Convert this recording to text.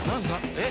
えっ？